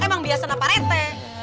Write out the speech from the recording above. emang biasanya pak rete